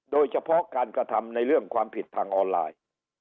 โดยเฉพาะการกระทำในเรื่องความผิดทางออนไลน์